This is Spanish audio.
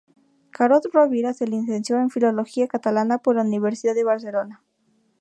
Carod-Rovira se licenció en Filología Catalana por la Universidad de Barcelona.